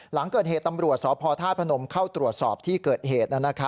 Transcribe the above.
หลังเกิดเหตุตำรวจสพธาตุพนมเข้าตรวจสอบที่เกิดเหตุ